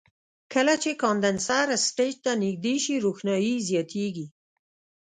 کله چې کاندنسر سټیج ته نږدې شي روښنایي یې زیاتیږي.